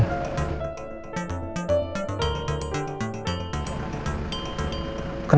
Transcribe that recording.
saya tidak mau